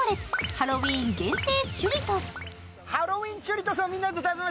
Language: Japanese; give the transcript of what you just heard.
ハロウィーン限定チュリトス。